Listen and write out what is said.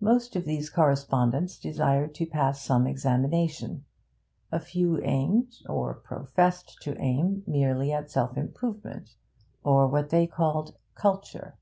Most of these correspondents desired to pass some examination; a few aimed or professed to aim merely at self improvement, or what they called 'culture.'